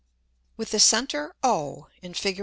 ] With the Center O [in _Fig.